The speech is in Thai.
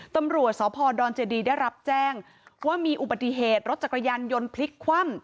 ตำรวจสพดเจดีได้รับแจ้งว่ามีอุบัติเหตุรถจักรยานยนต์พลิกคว่ำ